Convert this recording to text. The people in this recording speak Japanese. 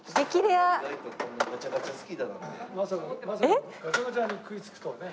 まさかまさかガチャガチャに食い付くとはね。